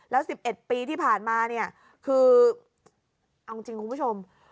แล้ว๑๑ปีที่ผ่านมาเนี่ยคือเอาจริงคุณผู้ชม